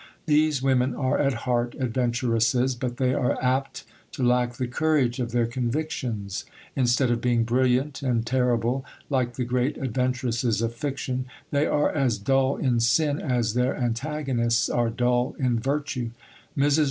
These women are at heart adventuresses, but they are apt to lack the courage of their convictions; instead of being brilliant and terrible, like the great adventuresses of fiction, they are as dull in sin as their antagonists are dull in virtue. Mrs.